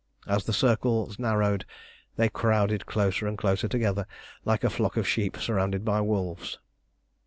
As the circles narrowed they crowded closer and closer together, like a flock of sheep surrounded by wolves.